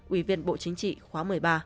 ủy viên bộ chính trị khóa một mươi ba